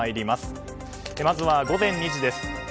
まずは午前２時です。